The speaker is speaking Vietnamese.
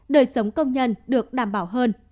đời sống công nhân được đảm bảo hơn